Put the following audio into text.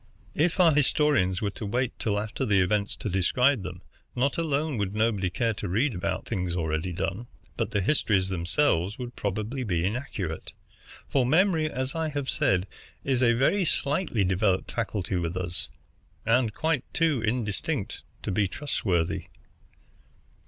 "If our historians were to wait till after the events to describe them, not alone would nobody care to read about things already done, but the histories themselves would probably be inaccurate; for memory, as I have said, is a very slightly developed faculty with us, and quite too indistinct to be trustworthy.